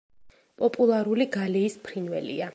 პოპულარული გალიის ფრინველია.